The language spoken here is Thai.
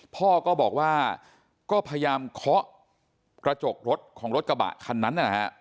พ่อก็บอกว่าก็พยายามเคาะกระจกรถของรถกระบะคันนั้นนะฮะ